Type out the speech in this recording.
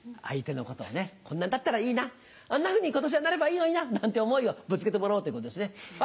相手のことをこんなんだったらいいなあんなふうに今年はなればいいのにななんて思いをぶつけてもらおうということですね。